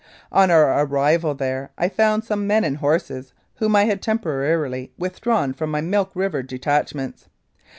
On our arrival there I found some men and horses whom I had temporarily withdrawn from my Milk River detachments.